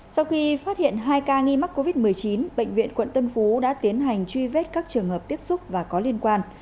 sau khi phát hiện hai ca nghi mắc covid một mươi chín bệnh viện quận tân phú đã tiến hành truy vết các trường hợp tiếp xúc và có liên quan